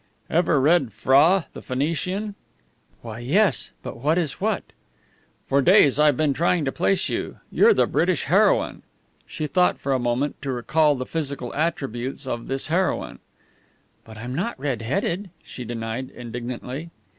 "Ever read 'Phra the Phoenician'?" "Why, yes. But what is what?" "For days I've been trying to place you. You're the British heroine!" She thought for a moment to recall the physical attributes of this heroine. "But I'm not red headed!" she denied, indignantly.